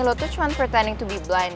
lu tuh cuma pretending to be blind